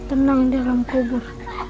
tenang dalam kubur